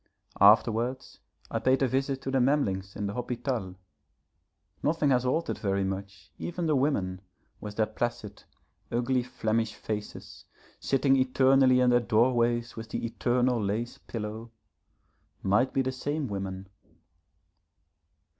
Afterwards I paid a visit to the Memlings in the Hôpital. Nothing has altered very much; even the women, with their placid, ugly Flemish faces, sitting eternally in their doorways with the eternal lace pillow, might be the same women.